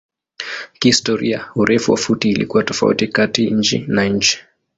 Kihistoria urefu wa futi ilikuwa tofauti kati nchi na nchi.